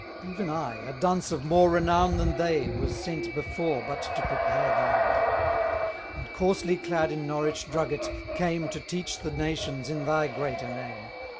30 Even I, a dunce of more renown than they, Was sent before but to prepare thy way; And, coarsely clad in Norwich drugget, came To teach the nations in thy greater name.